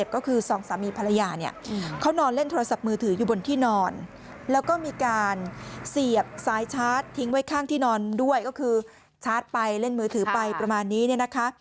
ก็คือสองสามีภรรยาเนี่ยเขานอนเล่นโทรศัพท์มือถืออยู่บนที่นอนแล้วก็มีการเสียบซ้ายชาร์จทิ้งไว้ข้างที่นอนด้วยก็คือชาร์จไปเล่นมือถือไปประมาณนี้เนี่ยนะคะ